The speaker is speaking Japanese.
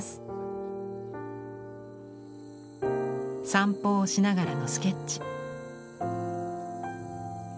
散歩をしながらのスケッチ。